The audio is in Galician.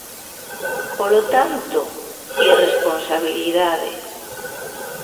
Polo tanto, irresponsabilidade.